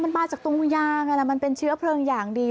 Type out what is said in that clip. มันมายังจะเป็นเชื้อเพลิงอย่างดี